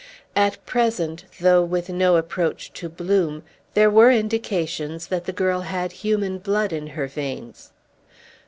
At present, though with no approach to bloom, there were indications that the girl had human blood in her veins.